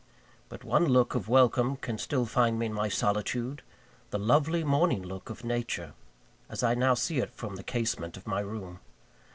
But one look of welcome can still find me in my solitude the lovely morning look of nature, as I now see it from the casement of my room.